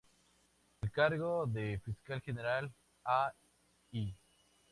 El cargo de Fiscal General "a.i.